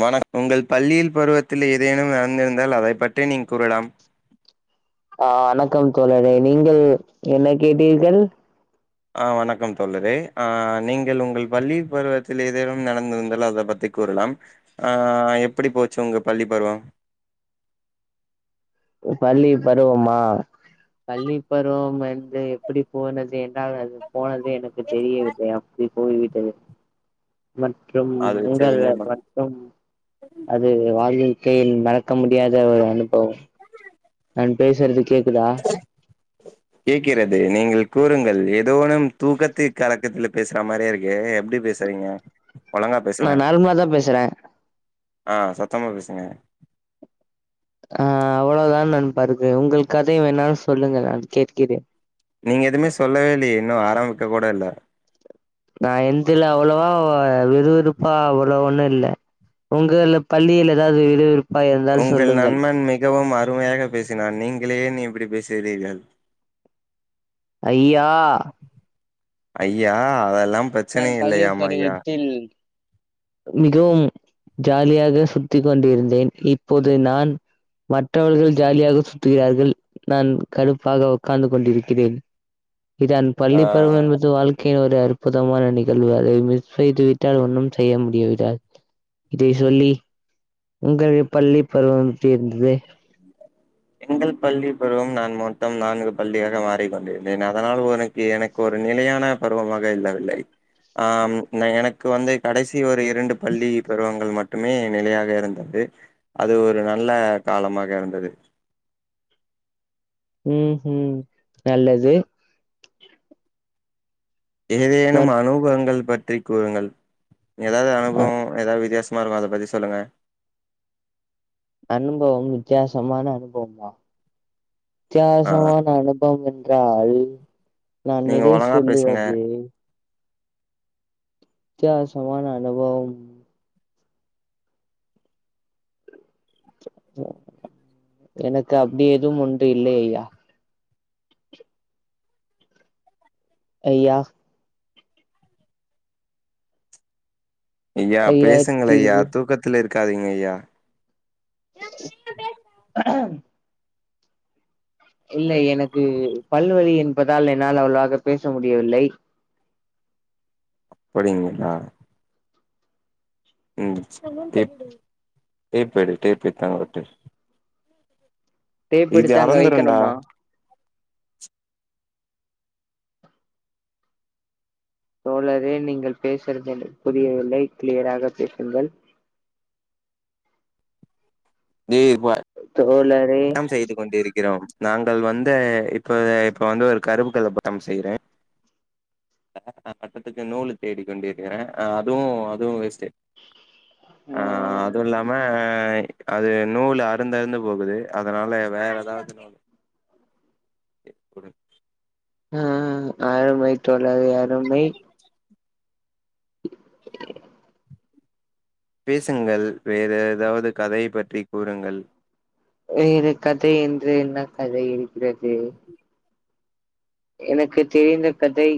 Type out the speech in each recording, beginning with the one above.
வணக் உங்கள் பள்ளியில் பருவத்தில் ஏதேனும் நடந்திருந்தால் அதை பற்றி நீங் கூறலாம் அ வணக்கம் தோழரே நீங்கள் என்ன கேட்டீர்கள் வணக்கம் தோழரே அ நீங்கள் உங்கள் பள்ளிய பருவத்தில் ஏதேனும் நடந்துருந்தால் அத பத்திக் கூறலாம் ஆ எப்படி போச்சு உங்க பள்ளி பருவம் பள்ளி பருவமா பள்ளி பருவம் வந்து எப்புடி போனது என்னறால் போனது எனக்கு தெரியவில்லை அப்டி போய் விட்டது [inaudible] மற்றும் அது வச்சு உங்கள் எதுவுமே பண்ண மற்றும் அது வாழிக்கீன் மறக்க முடியாத ஒரு அனுபவம் நான் பேசற்து கேக்குதா [inaudible] கேக்கிறது நீங்கள் கூறுங்கள் ஏதோனும் தூக்கத்தில் கலக்கத்தில பேசுற மாரே இருக்கே எப்டி பேஸ் சரிங்க ஒழுங்கா பேசுங்க நான் நார்மலா தான் பேசுறேன் அ சத்தமா பேசுங்க அ அவ்வளவுதான் நண்பா ருக்கு உங்கள் கதைய வேணாலும் சொல்லுங்க நான் கேட்கிறே நீங்க எதுமே சொல்லவே இல்லையே இன்னு ஆரம்பிக்க கூட இல்ல நான் என்துல அவ்வளவா விறுவிறுப்பா அவ்ளோ ஒன்னு இல்ல உங்கள பள்ளியில் ஏதாவுது விறுவிறுப்பா இருந்தால் உங்கள் சொல்லுங்கள் நண்பன் மிகவும் அருமையாக பேசினான் நீங்களே நீ இப்பிடி பேசுறீர்கள் ஐயா ஐயா அதெல்லாம் ப்ரச் நாங் பள்ளி பருவத்தில் மிகவும் ஜாலியாக சுத்தி கொண்டிருந்தேன் இப்போது நான் மற்றவர்கள் ஜாலியாக சுத்துகிறார்கள் நான் கடுப்பாக உக்காந்து கொண்டிருக்கிறேன் இதான் ஆ பள்ளி பருவொ என்பது வாழ்க்கையின் ஒரு அற் அற்புதமான நிகழ்வு அதை மிஸ் செய்துவிட்டால் ஒன்னும் செய்ய முடியவிடால் இதை சொல்லி உங்கள் பள்ளி பருவம் எப்டி இருந்துது எங்கள் பள்ளி பருவம் நான் மொத்தம் நான்கு பள்ளியாக மாறி கொண்டிருந்தேன் அதனால் ஒரு எனக்கு ஒரு நிலையான பருவமாக இல்லவில்லை ஆம் நா எனக்கு வந்து கடைசி ஒரு இரண்டு பள்ளி பருவங்கள் மட்டுமே நிலையாக இருந்தது அது ஒரு நல்ல காலமாக இருந்தது ம்ஹிம் நல்லது இனிஏதேனும் மற் அனுபவங்கள் பற்றி கூறுங்கள் ஏதாவது அனுபவ ஏதாவது வித்தியாஸ் சும்மா ருக்கு அத பத்தி சொல்லுங்க அனுபவம் வித்தியாசமான அனுபவ்ம்மா ஆ வித்தியாசமான அனுபம் என்றால் நான் நீங்க எதை ஒழுங்கா பேசுங்க சொல்லுவது வித்தியாசமான அனுபவம் எனக்கு அப்டி எதுவும் உண்டு இல்லை ஐயா ஐயா ஐயா பேசுங்கள் ஐயா தூக்கத்தில் இருக்காதீங்க ஐயா [inaudible] இல்லை எனக்கு பல்லுவலி என்பதால் என்னால் அவ்ளஆக பேச முடியவில்லை போரிங்களா ம் டேப் டேப் எடு டேப் எடுத்து அங்க ஒட்டு டேப் இது எடுத்து அங்க அறந்துரும்டா வைக்கணுமா தோழரே நீங்கள் பேசுறது எனக்கு புரியவில்லை கிளியராக பேசுங்கள் நீ பாரு தோழரே செய்து கொண்டிருக்கிறோம் நாங்கள் வந்து இப்ப இப்ப வந்து ஒரு கருப்பு கலர் பட்டம் செய்றே [inaudible] பட்டத்துக்கு நூலு தேடி கொண்டிருக்கிறே அதுவு அதுவு வேஸ்ட்டு ஆ அ அதுவு இல்லாம அது நூல் அருந்து அருந்து போகுது அதனால வேற எதாவது நம் எ கூட ஆ அருமை தோழர் அருமை [inaudible] பேசுங்கள் வேற எதாவது கதையை பற்றி கூறுங்கள் வேற கதை என்று என்ன கதை இருக்கிறது எனக்கு தெரிந்த கதை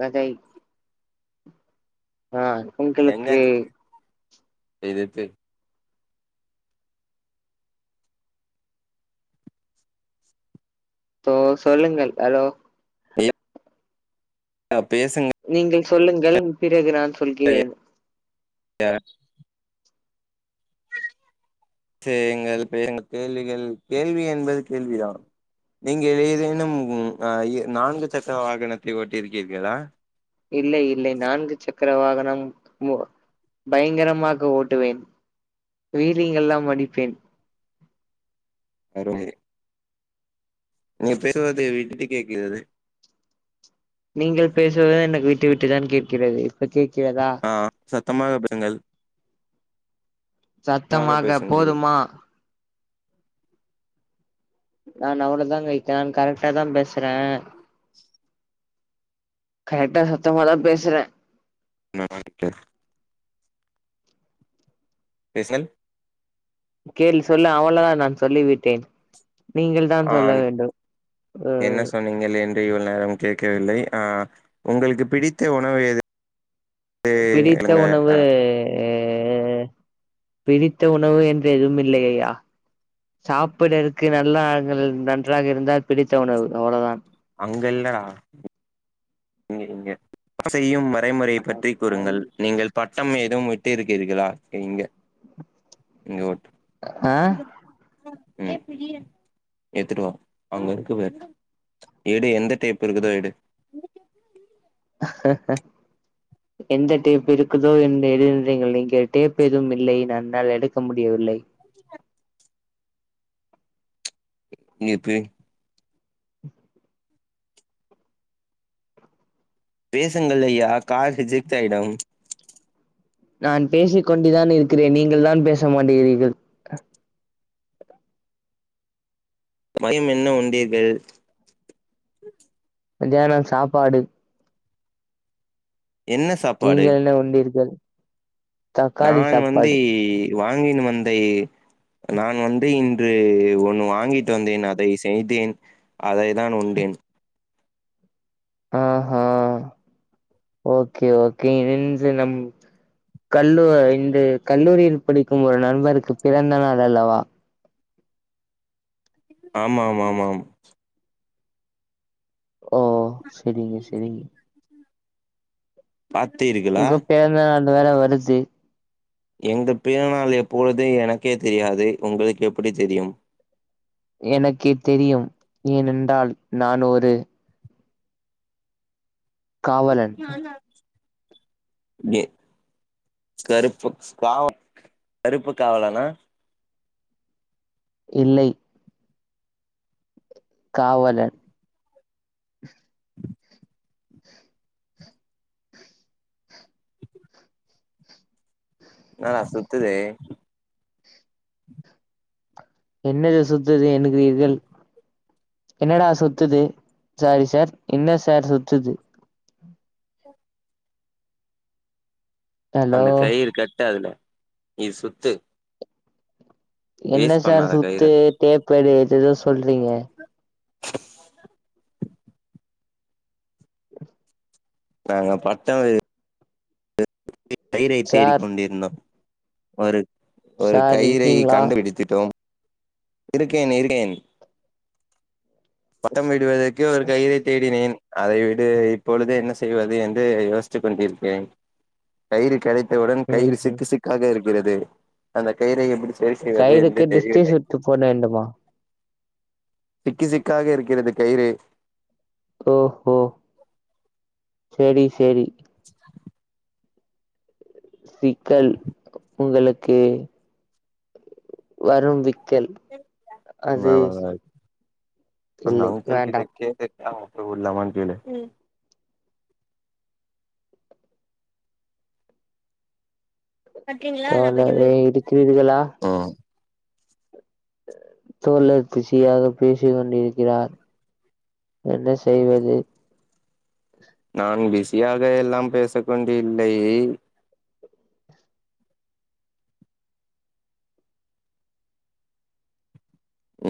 கதை ஆ எங்க உங்களுக்கு இது இது சோ சொல்லுங்கள் ஹலோ பேசுங்க நீங்கள் சொல்லுங்கள் பிறகு நான் சொல்கிறேன் அ செய்யுங்கள் வேறென்ன கேள்விகள் கேள்வி என்பது கேள்விதா நீங்கள் ஏதேனும் நான்கு சக்கர வாகனத்தை ஓட்டி இருக்கீர்களா இல்லை இல்லை நான்கு சக்கர வாகனம் மொ பயங்கரமாக ஓட்டுவேன் வீலிங் எல்லாம் அடிப்பேன் அருமை நீங்க பேசுறது விட்டுவிட்டு கேக்கிறது நீங்கள் பேசுவது எனக்கு விட்டு விட்டுதான் கேட்கிறது இப்ப கேட்கிறதா ஆ சத்தமாக பேசுங்கள் சத்தமாக போதுமா நான் அவ்வளவுதாங்க க்கேன் கரெக்ட்டா தா பேசுறே கரெக்டா சத்தமாதா பேசுறே [unintelligible] பேசுங்கள் கேள் சொல்ல அவ்வளவுதான் நான் சொல்லி விட்டேன் ஹான் அ என்ன சொன் நீங்கள் என்று இவ்வளவு நேரம் கேட்கவில்லை ஆ உங்களுக்கு பிடித்த உணவு எது பிடித்த சொல்லுங்க உணவு பிடித்த உணவு என்று எதுவும் இல்லையயா சாப்புடுறதுக்கு நல்லா ஆளுங்கள் நன்றாக இருந்தால் பிடித்த உணவு அவ்வளவுதான் அங்க இல்லனா நீங்க செய்யும் மறைமுறையை பற்றி கூறுங்கள் நீங்கள் பட்டம் எதுவும் விட்டு இருக்கிறீர்களா இங்க இங்க ஓட் ஆ ம் எத்துட்டுவா அங்க இருக்கு பாரு எடு எந்த டேப்பு இருக்குதோ எடு [inaudible] எந்த டேப் இருக்குதோ என்று எழுந்தீங்கள் நீங்கள் டேப் எதுவும் இல்லை நான்னால் எடுக்க முடியவில்லை நீங்க பேய் பேசுங்கள்அய்யா கால் ரிஜெக்ட் ஆய்டும் நான் பேசிக்கொண்டிதான் இருக்கிறேன் நீங்கள் தான் பேச மாட்டிகிறீர்கள் மயம் என்ன உண்டீர்கள் மதியானம் சாப்பாடு என்ன சாப்பாடு நீங்கள் என்ன உண்டீர்கள் தக்காளி நான் வந்து சாப்பாடு வாங்கினு வந்தே நான் வந்து இன்று ஒன்னு வாங்கிட்டு வந்தேன் அதை செய்தேன் அதை தான் உண்டேன் ஆஹா ஓகே ஓகே இன்சி நம் கல்லூ இந்த கல்லூரியில் படிக்கும் ஒரு நண்பருக்கு பிறந்த நாள் அல்லவா ஆமா ஆமா ஆமாம் ஓ செரிங்க செரிங்க பாத்தீட்டீர்களா பெறந்த நாடு வேற வருசி எங்க பிறநாள் எப்பொழுது எனக்கே தெரியாது உங்களுக்கு எப்படி தெரியும் எனக்கெ தெரியும் ஏனென்றால் நான் ஒரு காவலன். [unintelligible] கருப்பு காவ கருப்பு காவலானா இல்லை காவலன் என்னடா சுத்துதே என்னது சுத்துது என்னுகிறீர்கள் என்னடா சுத்துது சாரி சார் என்ன சார் சுத்துது ஹலோ அந்த கயிறு கட்ட அதுல நீ சுத்து என்ன வேஸ்ட் சார் பண்ணாத கயிற சுத்து டேப்பெடு ஏதெதோ சொல்றீங்க [inaudible] நாங்க பட்ச்சவரு கைறைத் தேடிக் சார் கொண்டிருந்தோம் ஒரு ஒரு சார் கயிறை இருக்கீங்களா? கண்டுபிடித்திட்டோம் இருக்கேன் இருக்கேன் பட்டம் விடுவதற்கு ஒரு கயிறை தேடினேன் அதை விடு இப்பொழுது என்ன செய்வது என்று யோசிச்சுக் கொண்ட்ருக்கிறேன் கயிறு கிடைத்தவுடன் கயிறு ம்ஹ்ம். சிக்கு சிக்காக இருக்கிறது அந்த கயிறை எப்படி சரி செய்வது கைடுக்கு என்று டிஸ்டி தெரியல்லை சுட்டு போட வேண்டுமா? சிக்கு சிக்காக இருக்கிறது கயிறு ஓஹோ செரி சேரி [inaudible] விக்கல் உங்களுக்கு வரு விக் கல் அது அந்த இல்லை அங்கிள் கிட்ட வேண்டாம். கேட்டுட்டு அங்க போய் வுட்லாமான் கேளு தோழரே இருக்கிறீர்களா ஆம் தோழர் பிஸியாக பேசிக் கொண்டிருக்கிறார் என்ன செய்வது நான் பிஸியாக எல்லாம் பேசி கொண்டு இல்லை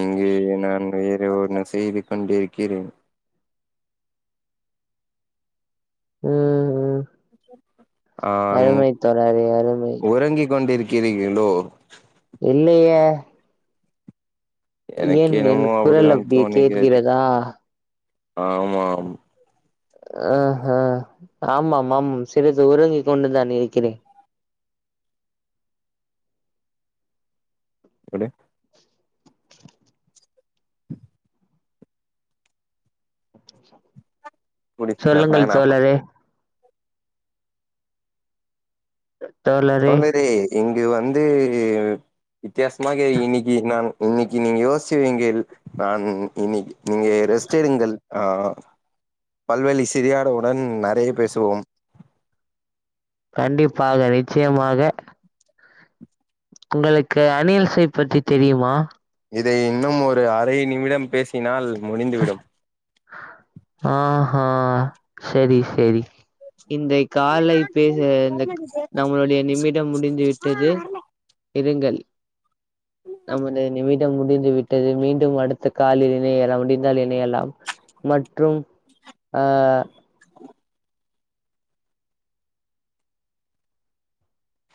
இங்கே நான் வேற ஒன்னு செய்து கொண்டிருக்கிறேன் ம் ம் ஆன் அருமை தோழரே அருமை உறங்கி கொண்டிருக்கிறீர்களோ இல்லையே எனக்கு ஏன் என் என்னமோ குரல் அப்படிதான் அப்படி தோனிகிறது கேட்கிறதா ஆமாம் ஆ ஹா ஆமாமாம் சிறிது உறங்கிக் கொண்டுதான் இருக்கிறேன் குடு விடு நா சொல்லுங்கள் ஃபேன் ஆஃப் பண்றே தோழரே தோழரே இங்கு வந்து வித்தியாசமாக இன்னிக்கி நான் இன்னிக்கி நீங்க யோச்சு வெங்கள் நான் இன்னிக் நீங்க ரெஸ்ட் எடுங்கள் ஆ பல்வலி சரியானவுடன் நறைய பேசுவோம் கண்டிப்பாக நிச்சயமாக உங்களுக்கு அனில்இசை பற்றி தெரியுமா இதை இன்னும் ஒரு அரை நிமிடம் பேசினால் முடிந்துவிடும் ஆ ஹா செரி செரி இந்தை காலை பேச இந்தக் நம்மளுடைய நிமிடம் முடிந்து விட்டது இருங்கள் நமது நிமி டம் முடிந்து விட்டது மீண்டும் அடுத்த காலில் இணையலாம் முடிந்தால் இணையலாம் ம ற்றும் ஆ [inaudible]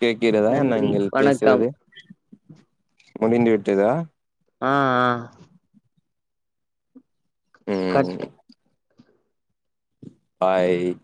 கேக்கிறதா நன்றி நாங்கள் வணக்கம் பேசுவது முடிந்து விட்டதா ஆ ஆ ம் கட்டு பாய்